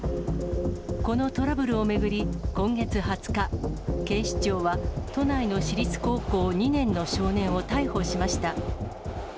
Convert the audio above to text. このトラブルを巡り、今月２０日、警視庁は、都内の私立高校２年の少年を逮捕しました。